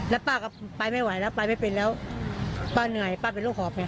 แล้วป้าก็ไปไม่ไหวแล้วไปไม่เป็นแล้วป้าเหนื่อยป้าเป็นโรคหอบแผล